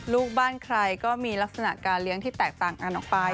ลูกบ้านใครก็มีลักษณะการเลี้ยงที่แตกต่างกันออกไป